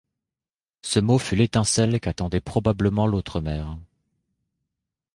Ce mot fut l’étincelle qu’attendait probablement l’autre mère.